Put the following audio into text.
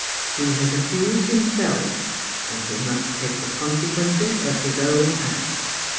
He has accused himself ; and he must take the consequences of his own act.'